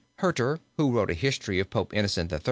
Hurter who wrote a history of Pope Innocent III.